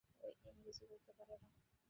ও ইংরেজি বলতে পারে না।